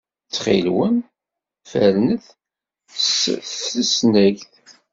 Ttxil-wen, fernet s tesnagt.